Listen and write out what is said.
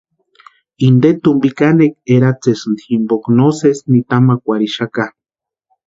Inte tumpi kanekwa eratsesïnti jimpoka no sesí nitamakwarhixaka.